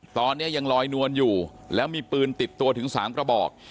ตอนนี้ยังลอยนวลอยู่แล้วมีปืนติดตัวถึง๓กระบอก